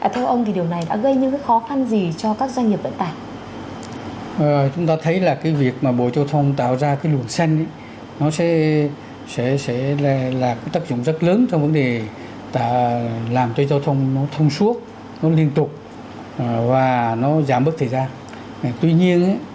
theo ông thì điều này đã gây những khó khăn gì cho các doanh nghiệp vận tải